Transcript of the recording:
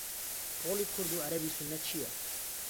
ڕۆڵی کورد و عەرەبی سوننە چییە؟